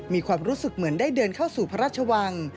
มีความรู้สึกเหมือนได้เดินเข้าสู่พระราชวัง